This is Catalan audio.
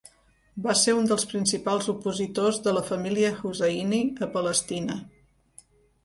Va ser un dels principals opositors de la família Husayni a Palestina.